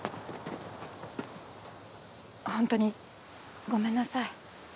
ほんとにごめんなさい。